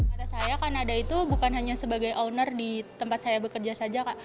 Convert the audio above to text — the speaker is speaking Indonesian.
mata saya ndada itu bukan hanya sebagai owner di tempat saya bekerja saja